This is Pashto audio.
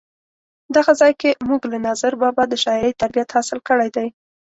دغه ځای کې مونږ له ناظر بابا د شاعرۍ تربیت حاصل کړی دی.